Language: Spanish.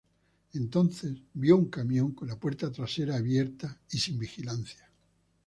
Entonces, vio un camión con la puerta trasera abierta, y sin vigilancia.